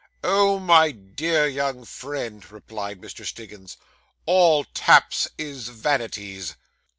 'Oh, my dear young friend,' replied Mr. Stiggins, 'all taps is vanities!